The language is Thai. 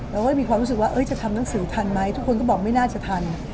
เราก็มีความรู้สึกว่าจะทำหนังสือทันไหมทุกคนก็บอกไม่น่าจะทัน